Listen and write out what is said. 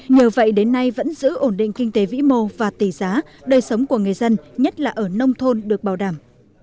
nhờ vậy đến nay vẫn giữ ổn định kinh tế vĩ mô và tỷ giá đời sống của người dân nhất là ở nông thôn được bảo đảm